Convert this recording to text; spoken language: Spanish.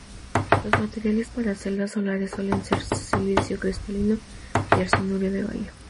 Los materiales para celdas solares suelen ser silicio cristalino o arseniuro de galio.